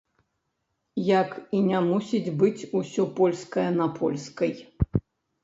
Як і не мусіць быць усё польскае на польскай.